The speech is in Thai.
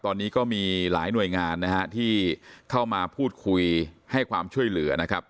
ตอนนี้ก็มีหลายหน่วยงานนะฮะที่เข้ามาพูดคุยให้ความช่วยเหลือนะครับ